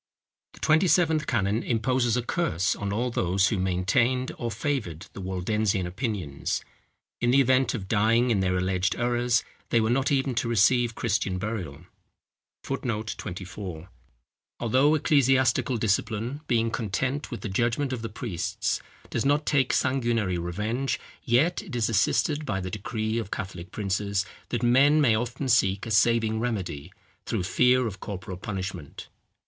The Twenty seventh canon imposes a curse on all those who maintained or favoured the Waldensian opinions. In the event of dying in their alleged errors, they were not even to receive Christian burial. [Footnote 24: "Although ecclesiastical discipline, being content with the judgment of the priests, does not take sanguinary revenge, yet it is assisted by the decrees of Catholic princes, that men may often seek a saving remedy, through fear of corporal punishment.